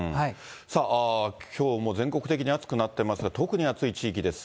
さあ、きょうも全国的に暑くなっていますが、特に暑い地域です。